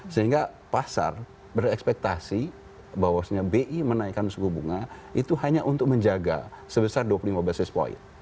sehingga pasar berekspektasi bahwasannya bi menaikkan suku bunga itu hanya untuk menjaga sebesar dua puluh lima basis point